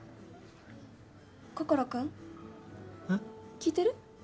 聞いてる？